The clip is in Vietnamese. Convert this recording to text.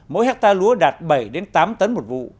mỗi ha lúa đạt bảy tám tấn một vụ